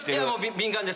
敏感です